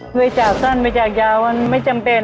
เคยจากสั้นมาจากยาวมันไม่จำเป็น